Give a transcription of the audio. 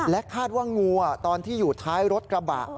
คาดว่างูตอนที่อยู่ท้ายรถกระบะ